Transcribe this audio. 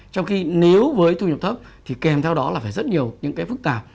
trong khi nếu với thu nhập thấp thì kèm theo đó là phải rất nhiều những cái phức tạp